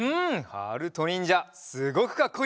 はるとにんじゃすごくかっこいい！